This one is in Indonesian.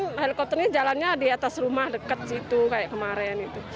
mbak sari kan helikopternya jalannya di atas rumah dekat situ kayak kemarin itu